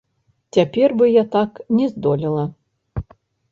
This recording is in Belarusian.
Цяпер бы я так не здолела.